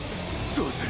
どうする？